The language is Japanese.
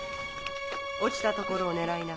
落ちたところを狙いな。